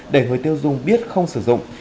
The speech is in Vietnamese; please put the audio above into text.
để người tiêu dung biết không sử dụng